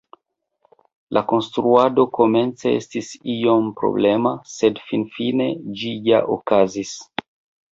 La konstruado komence estis iom problema, sed finfine ĝi ja okazis.